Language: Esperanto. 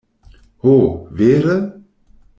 Ho, vere?